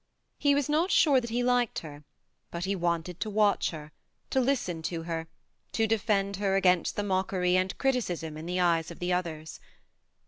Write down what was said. He was not sure that he liked her, but he wanted to watch her, to listen to her, to defend her against the mockery and criticism in the eyes of the others.